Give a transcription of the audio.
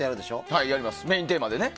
はい、メインテーマでね。